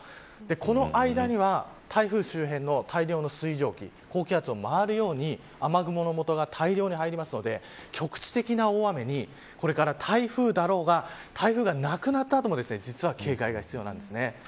この間には台風周辺の大量の水蒸気高気圧を回るように雨雲のもとが大量に入るので局地的な大雨にこれから台風だろうが台風がなくなった後も実は警戒が必要なんです。